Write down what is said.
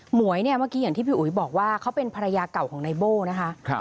หวยเนี่ยเมื่อกี้อย่างที่พี่อุ๋ยบอกว่าเขาเป็นภรรยาเก่าของนายโบ้นะคะ